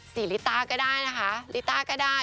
ลิตาก็ได้นะคะลิต้าก็ได้